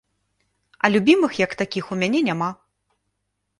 А любімых як такіх у мяне няма.